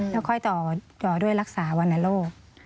แล้วค่อยต่อด้วยรักษาวรรณโรค